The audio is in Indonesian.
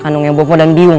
kandungnya bopong dan biung